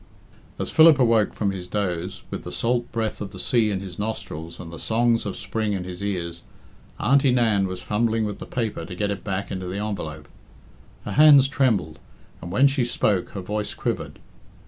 As Philip awoke from his doze, with the salt breath of the sea in his nostrils and the songs of spring in his ears, Auntie Nan was fumbling with the paper to get it back into the envelope. Her hands trembled, and when she spoke her voice quivered.